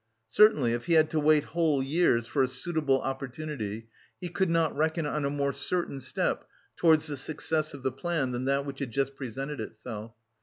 Certainly, if he had to wait whole years for a suitable opportunity, he could not reckon on a more certain step towards the success of the plan than that which had just presented itself.